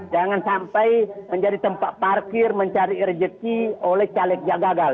jangan sampai menjadi tempat parkir mencari rejeki oleh caleg yang gagal